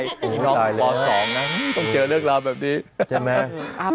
อุ๊ยน้องปลอดศรองนะต้องเจอเรื่องราวแบบนี้ใช่ไหมครับ